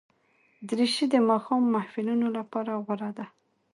دریشي د ماښام محفلونو لپاره غوره ده.